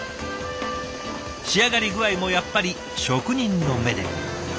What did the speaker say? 仕上がり具合もやっぱり職人の目で。